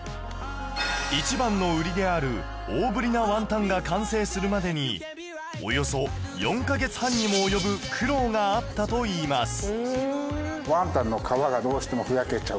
一番の売りである大ぶりなワンタンが完成するまでにおよそ４カ月半にも及ぶ苦労があったといいます